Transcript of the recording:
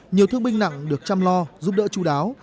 nhiều thương binh nặng được chăm lo giúp đỡ chú đáo